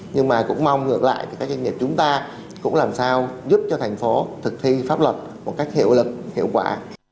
nhưng mà cũng mong ngược lại thì các doanh nghiệp chúng ta cũng làm sao giúp cho thành phố thực thi pháp luật một cách hiệu lực hiệu quả